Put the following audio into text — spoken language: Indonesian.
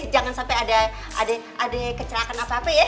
jangan sampai ada kecelakaan apa apa ya